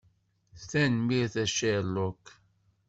Tanemmirt a Sherlock.